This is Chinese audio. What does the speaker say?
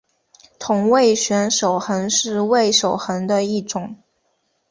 同位旋守恒是味守恒的一种。